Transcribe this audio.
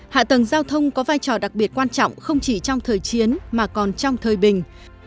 hạ tầng giao thông có vai trò đặc biệt quan trọng không chỉ trong thời chiến mà còn trong thời bình